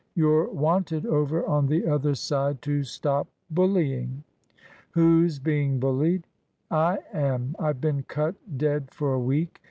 You're wanted over on the other side to stop bullying." "Who's being bullied?" "I am. I've been cut dead for a week.